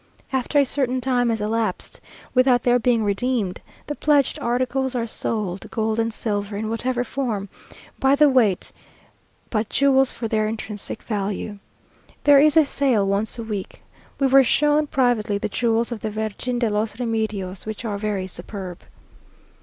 After a certain time has elapsed without their being redeemed, the pledged articles are sold; gold and silver, in whatever form, by the weight, but jewels for their intrinsic value. There is a sale once a week. We were shown privately the jewels of the Virgen de los Remedios; which are very superb.